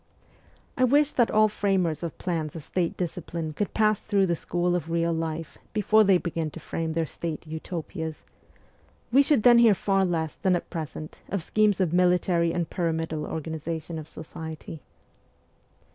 I wish that all framers of plans of State discipline could pass through the school of real life before they begin to frame their State Utopias : we should then hear far less than at present of schemes of military and pyramidal organiza tion of society.